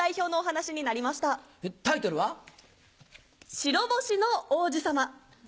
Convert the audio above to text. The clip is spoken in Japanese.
「白星の王子様」。